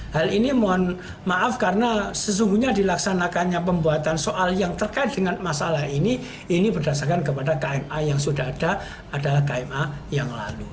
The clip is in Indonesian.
hal ini mohon maaf karena sesungguhnya dilaksanakannya pembuatan soal yang terkait dengan masalah ini ini berdasarkan kepada kma yang sudah ada adalah kma yang lalu